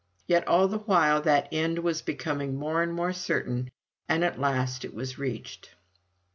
Yet all the while that end was becoming more and more certain, and at last it was reached.